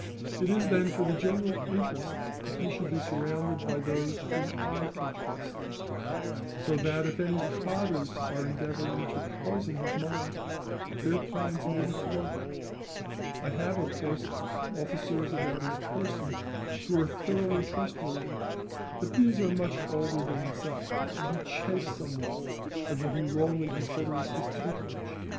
It is, then, for the general interest that he should be surrounded by those whom I can trust; so that, if any plotters are endeavouring to poison his mind, their plans may be thwarted. I have of course, officers about his person who are thoroughly trustworthy; but these are much older than himself, and he chafes somewhat at what he wrongly considers his tutelage.